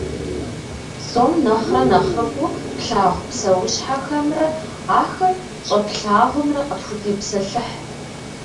Псом нэхърэ нэхъыфӏу плъагъу псэущхьэхэмрэ ахэр щӏэплъагъумрэ къытхутепсэлъыхь.